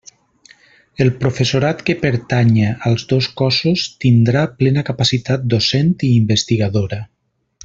El professorat que pertanya als dos cossos tindrà plena capacitat docent i investigadora.